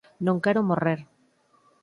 Non quero morrer.